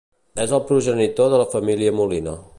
És el progenitor de la família Molina.